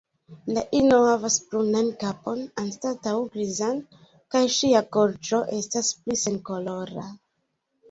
La ino havas brunan kapon anstataŭ grizan, kaj ŝia gorĝo estas pli senkolora.